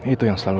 itu yang selalu